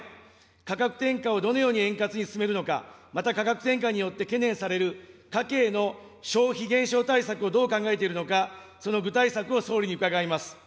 価格転嫁をどのように円滑に進めるのか、また価格転嫁によって懸念される、家計の消費減少対策をどう考えているのか、その具体策を総理に伺います。